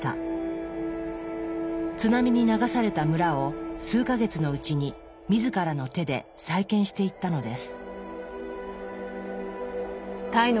津波に流された村を数か月のうちに自らの手で再建していったのです。